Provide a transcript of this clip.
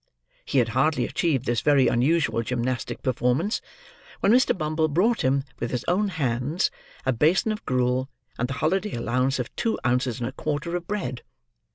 He had hardly achieved this very unusual gymnastic performance, when Mr. Bumble brought him, with his own hands, a basin of gruel, and the holiday allowance of two ounces and a quarter of bread.